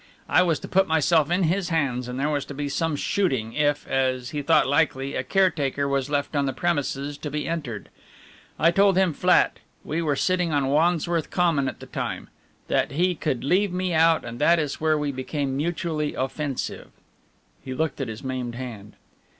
I was to put myself in his hands and there was to be some shooting if, as he thought likely, a caretaker was left on the premises to be entered. I told him flat we were sitting on Wandsworth Common at the time that he could leave me out, and that is where we became mutually offensive." He looked at his maimed hand.